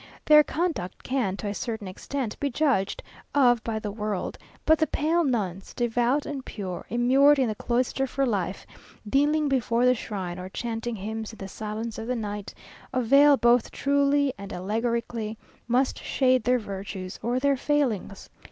Their conduct can, to a certain extent, be judged of by the world; but the pale nuns, devout and pure, immured in the cloister for life, kneeling before the shrine, or chanting hymns in the silence of the night, a veil both truly and allegorically must shade their virtues or their failings.